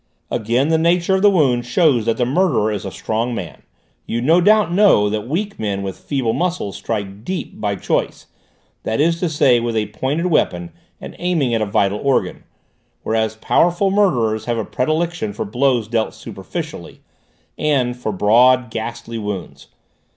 Again, the nature of the wound shows that the murderer is a strong man; you no doubt know that weak men with feeble muscles strike 'deep' by choice, that is to say with a pointed weapon and aiming at a vital organ, whereas powerful murderers have a predilection for blows dealt 'superficially,' and for broad, ghastly wounds.